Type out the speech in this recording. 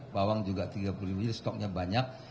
bawang juga tiga puluh miliar stoknya banyak